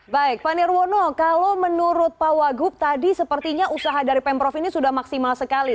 baik pak nirwono kalau menurut pak wagub tadi sepertinya usaha dari pemprov ini sudah maksimal sekali